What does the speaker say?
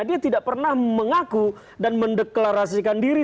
dia tidak pernah mengaku dan mendeklarasikan diri